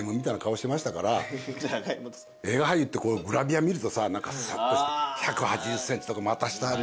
映画俳優ってグラビア見るとさすっとして１８０ｃｍとか股下。